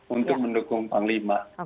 untuk mendukung panglima